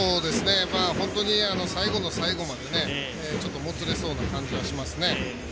本当に最後の最後までもつれそうな感じがしますね。